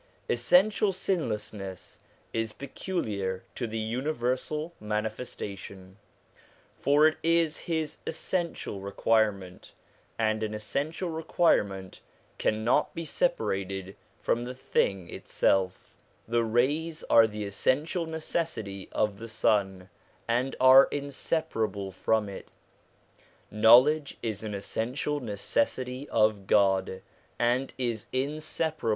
Essential sinlessness is peculiar to the universal Mani festation, for it is his essential requirement, and an essential requirement cannot be separated from the thing itself. The rays are the essential necessity of the sun, and are inseparable from it. Knowledge is an essential necessity of God, and is inseparable from Him. 1 The Manifestation of God.